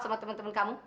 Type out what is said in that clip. sama teman teman kamu